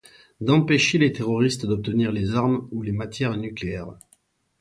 D'empêcher les terroristes d'obtenir les armes ou les matières nucléaires.